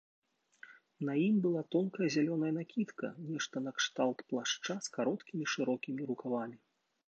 На ім была тонкая зялёная накідка, нешта накшталт плашча з кароткімі шырокімі рукавамі.